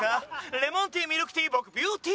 レモンティーミルクティー僕ビューティー！